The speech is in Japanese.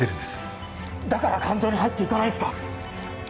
だから肝臓に入っていかないんですか？